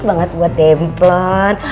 banget buat demplon